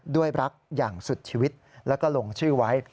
ด้วยรักอย่างสุดชีวิตแล้วก็ลงชื่อไว้